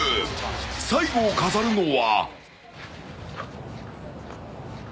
最後を飾るのは。